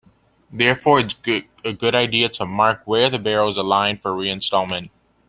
Therefore, it's a good idea to "mark" where the barrel is aligned for reinstallment.